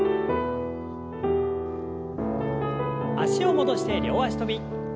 脚を戻して両脚跳び。